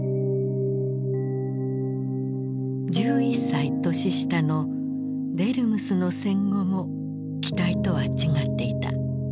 １１歳年下のデルムスの戦後も期待とは違っていた。